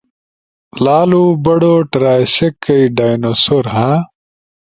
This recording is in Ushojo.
لالو بڑو ٹرائسیک کئی ڈائنو سور، ہاں۔